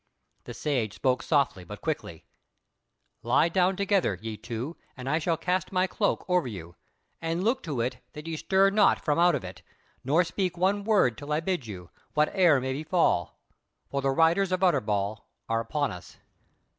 The Sage spake softly but quickly: "Lie down together, ye two, and I shall cast my cloak over you, and look to it that ye stir not from out of it, nor speak one word till I bid you, whate'er may befall: for the riders of Utterbol are upon us."